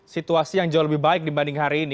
situasi yang jauh lebih baik dibanding hari ini